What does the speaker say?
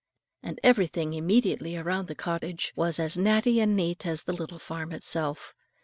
And everything immediately around the cottage, was as natty and neat as the little farm itself.